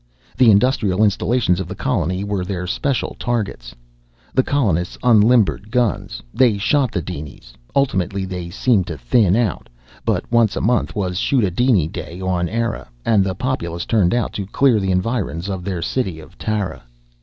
The industrial installations of the colony were their special targets. The colonists unlimbered guns. They shot the dinies. Ultimately they seemed to thin out. But once a month was shoot a diny day on Eire, and the populace turned out to clear the environs of their city of Tara.